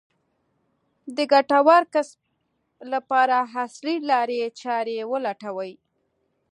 د ګټور کسب لپاره عصري لارې چارې ولټوي.